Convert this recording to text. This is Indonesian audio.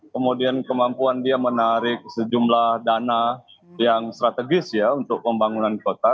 kemudian kemampuan dia menarik sejumlah dana yang strategis ya untuk pembangunan kota